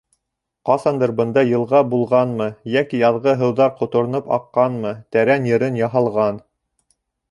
Ҡасандыр бында йылға булғанмы йәки яҙғы һыуҙар ҡотороноп аҡҡанмы, тәрән йырын яһалған.